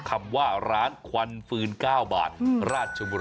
คำว่าร้านควันฟืน๙บาทราชบุรี